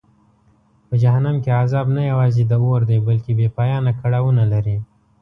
په جهنم کې عذاب نه یوازې د اور دی بلکه بېپایانه کړاوونه لري.